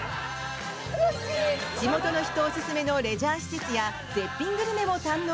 地元の人オススメのレジャー施設や絶品グルメも堪能。